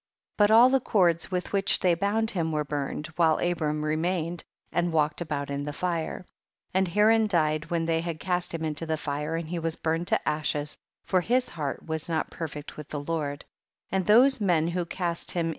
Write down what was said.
25. But all the cords with which they bound him were burned, while Abram remained and walked about in the fire. 26. And Haran died when they had cast him into the fire, and he was burned to ashes, for his heart was not perfect with the Lord ; and those men who cast him into the * This is noticed in the Talmud.